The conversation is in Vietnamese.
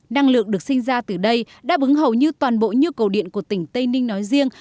năng lượng được sinh ra từ đây đã bứng hầu như toàn bộ như cầu điện của tỉnh tây ninh nói riêng